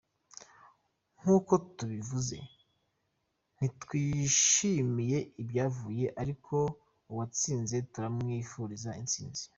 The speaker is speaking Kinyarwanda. Nkuko tubivuze, ntitwishimiye ibyavuyemo ariko uwatsinze turamwifuzira intsinzi.”